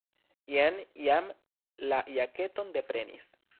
Jen jam la jaketon deprenis.